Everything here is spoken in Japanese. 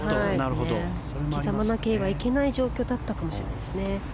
刻まなければいけない状況だったかもしれないですね。